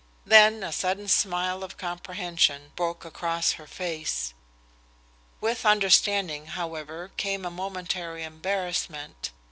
Then a sudden smile of comprehension broke across her face. With understanding, however, came a momentary embarrassment.